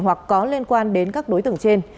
hoặc có liên quan đến các đối tượng trên